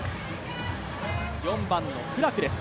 ４番のプラクです。